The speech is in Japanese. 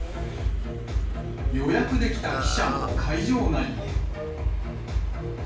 予約できた記者も会場内へ。